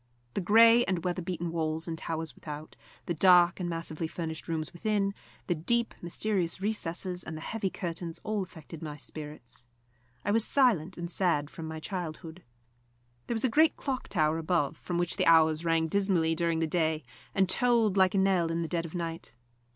The grey and weather beaten walls and towers without, the dark and massively furnished rooms within, the deep, mysterious recesses and the heavy curtains, all affected my spirits. I was silent and sad from my childhood. There was a great clock tower above, from which the hours rang dismally during the day and tolled like a knell in the dead of night.